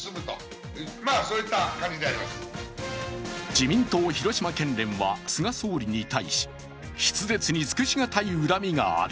自民党広島県連は菅総理に対し、筆舌に尽くしがたい恨みがある。